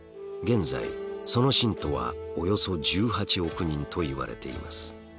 現在その信徒はおよそ１８億人といわれています。